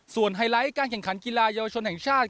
ไฮไลท์การแข่งขันกีฬาเยาวชนแห่งชาติ